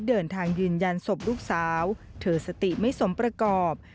ยืนยันศพลูกสาวเธอสติไม่สมประกอบ